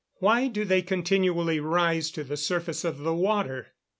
_Why do they continually rise to the surface of the water?